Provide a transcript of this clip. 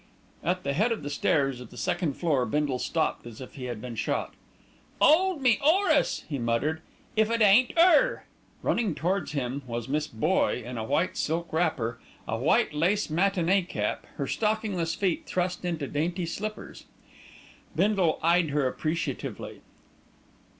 At the head of the stairs of the second floor Bindle stopped as if he had been shot. "'Old me, 'Orace!" he muttered. "If it ain't 'er!" Running towards him was Miss Boye in a white silk wrapper, a white lace matinée cap, her stockingless feet thrust into dainty slippers. Bindle eyed her appreciatively.